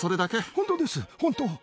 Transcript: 本当です、本当。